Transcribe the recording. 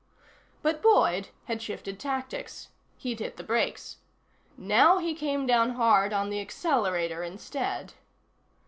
But Boyd had shifted tactics. He'd hit the brakes. Now he came down hard on the accelerator instead.